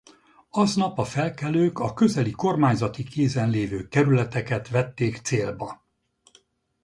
Aznap a felkelők a közeli kormányzati kézen lévő kerületeket vették célba.